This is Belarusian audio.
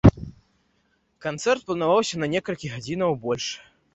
Канцэрт планаваўся на некалькі гадзінаў больш.